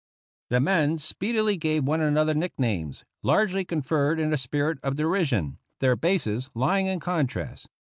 The men speedily gave one another nicknames, largely conferred in a spirit of derision, their basis lying in contrast.